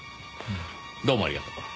どうもありがとう。